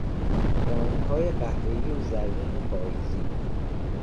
رنگهای قهوهای و زرین پاییزی